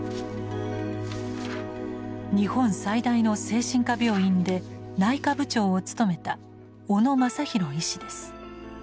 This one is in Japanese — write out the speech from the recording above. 日本最大の精神科病院で内科部長を務めた小野正博医師です。